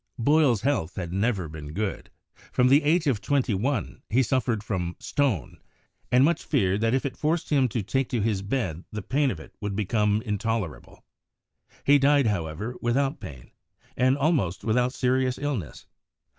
Boyle's health had never been good; from the age of twenty one he suffered from stone, and much feared that if it forced him to take to his bed the pain of it would become intolerable. He died, however, without pain, and almost without serious illness.